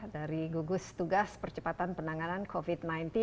dari gugus tugas percepatan penanganan covid sembilan belas